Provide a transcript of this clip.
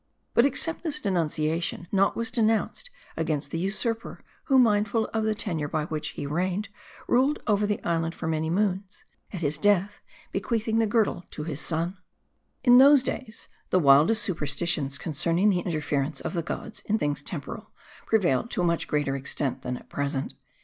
But .except this denunciation, naught was denounced against the usurper ; who, mindful of the tenure by which he reigned, ruled over the island for many moons ; at his death bequeathing the girdle to Jiis son. In those days, the wildest superstitions concerning the interference of the gods in. things temporal, prevailed to a much greater extent than at present.